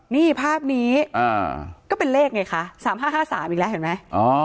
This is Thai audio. นี่ภาพนี้ก็เป็นเลขไงคะ๓๕๕๓อีกแล้วเห็นไหม